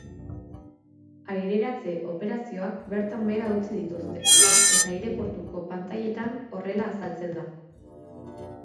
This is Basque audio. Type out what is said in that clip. Aireratze operazioak bertan behera utzi dituzte, eta aireportuko pantailetan horrela azaltzen da.